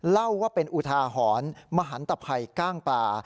เล่าว่าเป็นอุทาหรณ์มหันตภัยกล้างปลา